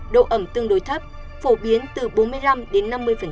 độ ẩm tương đối thấp phổ biến từ bốn mươi năm đến năm mươi